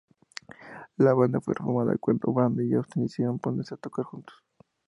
La banda fue formada cuando "Brandon y Austin decidieron ponerse a tocar juntos.